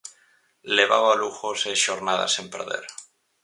Levaba o Lugo seis xornadas sen perder.